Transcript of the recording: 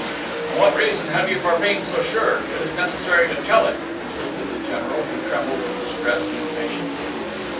"And what reason have you for being so sure? It is necessary to tell it," insisted the general, who trembled with distress and impatience.